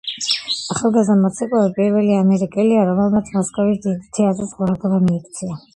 ახალგაზრდა მოცეკვავე პირველი ამერიკელია, რომელმაც მოსკოვის დიდი თეატრის ყურადღება მიიქცია.